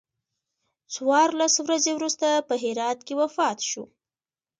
څوارلس ورځې وروسته په هرات کې وفات شو.